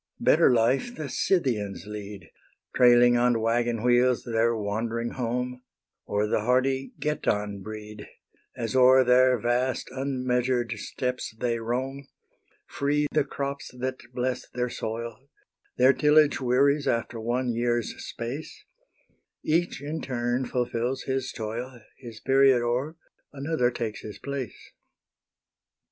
Better life the Scythians lead, Trailing on waggon wheels their wandering home, Or the hardy Getan breed, As o'er their vast unmeasured steppes they roam; Free the crops that bless their soil; Their tillage wearies after one year's space; Each in turn fulfils his toil; His period o'er, another takes his place.